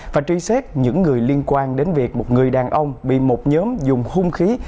và truy xét những người liên quan đến việc một người đàn ông bị một nhóm dùng hung khí